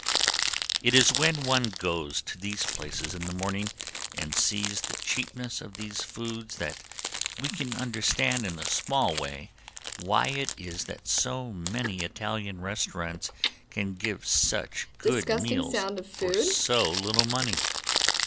It is when one goes to these places in the morning and sees the cheapness of these foods that he can understand in a small way why it is that so many Italian restaurants can give such good meals for so little money.